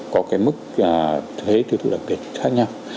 có cái mức thuế tư tụ đặc biệt khác nhau